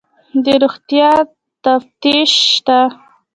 د روغتیا تفتیش شته؟